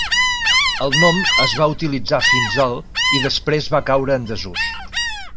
El nom es va utilitzar fins al i després va caure en desús.